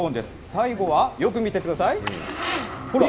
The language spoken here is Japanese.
最後は、よく見てください。